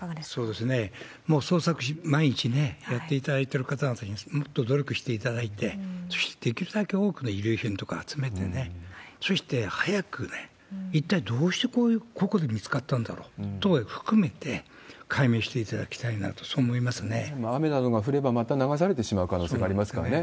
もう捜索、毎日やっていただいてる方々にもっと努力していただいて、そしてできるだけ多くの遺留品とかを集めて、そして早くね、一体どうして、ここで見つかったんだろうとかも含めて、解明していただきたいな雨などが降れば、また流されてしまう可能性がありますからね。